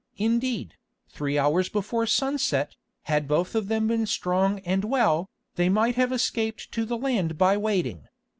Indeed, three hours before sunset, had both of them been strong and well, they might have escaped to the land by wading.